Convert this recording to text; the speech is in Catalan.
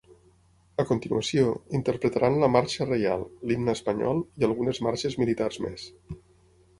A continuació, interpretaran la ‘Marxa reial’, l’himne espanyol, i algunes marxes militars més.